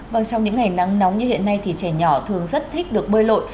vâng trong những ngày nắng nóng như hiện nay thì trẻ nhỏ thường rất thích được bơi lội